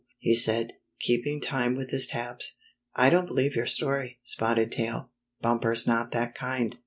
'' he said, keeping time with his taps. "I don't believe your story. Spotted Tail. Bumper's not that kind.